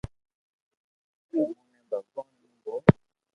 تموني نو ڀگوان مون ڀوھ